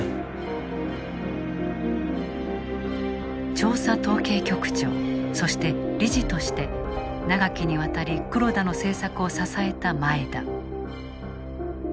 調査統計局長そして、理事として長きにわたり黒田の政策を支えた前田。